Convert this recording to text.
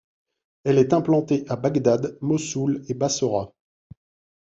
Elle est implantée à Bagdad, Mossoul et Bassorah.